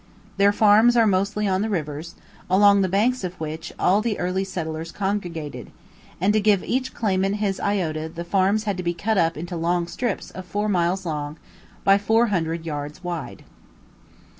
Their farms are mostly on the rivers, along the banks of which all the early settlers congregated; and to give each claimant his iota the farms had to be cut up into long strips of four miles long by four hundred yards wide.